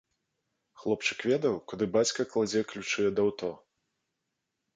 Хлопчык ведаў, куды бацька кладзе ключы ад аўто.